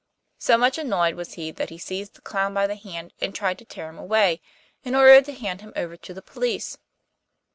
So much annoyed was he that he seized the clown by the hand and tried to tear him away, in order to hand him over to the police.